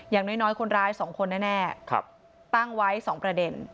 อย่างน้อยคนร้าย๒คนแน่ตั้งไว้๒ประเด็น